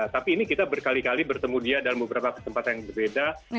tapi ini kita berkali kali bertemu dia dalam beberapa kesempatan yang berbeda